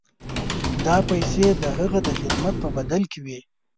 دا پیسې د هغه د خدمت په بدل کې وې.